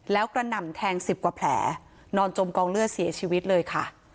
แล้วกระหน่ำแทง๑๐กว่าแผลนอนจมกองเลือดเสียชีวิตเลยค่ะ